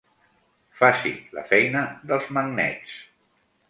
Faci la feina dels magnets.